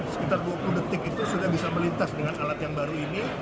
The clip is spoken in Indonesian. sekitar dua puluh detik itu sudah bisa melintas dengan alat yang baru ini